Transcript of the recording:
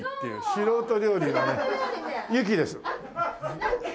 素人料理のゆきです。